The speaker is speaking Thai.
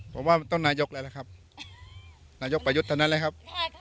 ผมว่ามันต้องนายกแล้วนะครับนายกประยุทธ์เท่านั้นแหละครับ